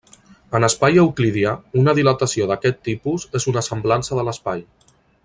En espai euclidià, una dilatació d'aquest tipus és una semblança de l'espai.